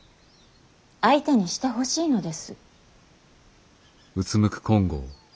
相手にしてほしいのです。